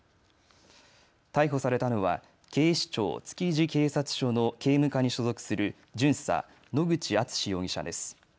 逮捕されたのは警視庁築地警察署の警務課に所属する巡査、野口敦史容疑者です。